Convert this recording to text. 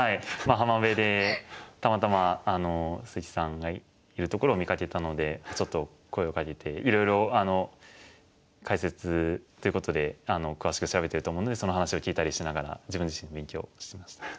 浜辺でたまたま鈴木さんがいるところを見かけたのでちょっと声をかけていろいろ解説ということで詳しく調べてると思うのでその話を聞いたりしながら自分自身勉強しました。